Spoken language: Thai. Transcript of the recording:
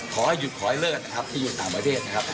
ขอให้หยุดขอให้เลิกนะครับที่อยู่ต่างประเทศนะครับ